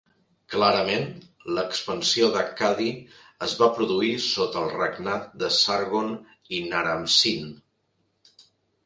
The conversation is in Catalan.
Clarament, l'expansió d'Accadi es va produir sota el regnat de Sargon i Naram-Sin.